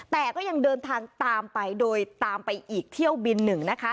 ต้องตามไปโดยตามไปอีกเที่ยวบินหนึ่งนะคะ